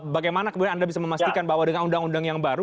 bagaimana kemudian anda bisa memastikan bahwa dengan undang undang yang baru